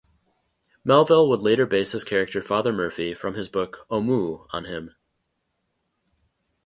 Melville would later base his character Father Murphy from his book "Omoo" on him.